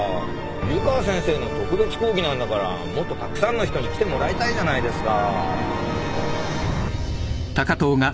湯川先生の特別講義なんだからもっとたくさんの人に来てもらいたいじゃないですか。